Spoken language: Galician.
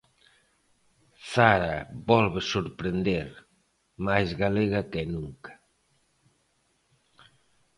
Zara volve sorprender, máis galega que nunca.